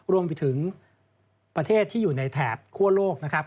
รวมไปถึงประเทศที่อยู่ในแถบคั่วโลกนะครับ